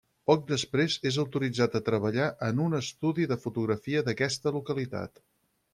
Poc després és autoritzat a treballar en un estudi de fotografia d'aquesta localitat.